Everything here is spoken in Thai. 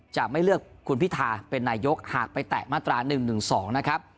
จะไม่เลือกคุณพิธาเป็นนายกหากไปแตะมาตรา๑๑๒นะครับ